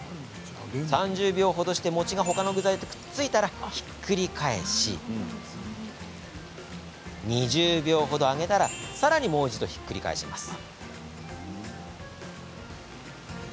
３０秒ほどして餅がほかの具材とくっついたらひっくり返し２０秒ほど揚げたら、さらにもう一度ひっくり返します。